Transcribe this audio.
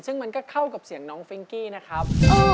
ซึ่งมันก็เข้ากับเสียงน้องฟิงกี้นะครับ